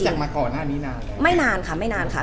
เดี๋ยวก็ไปตอนความสัมภัณฑ์ของเราทั้งคู่มันเริ่มยังไง